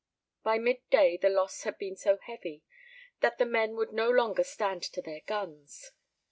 By mid day the loss had been so heavy that the men would no longer stand to their guns.